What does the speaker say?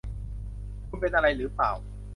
คุณเป็นอะไรหรือเปล่า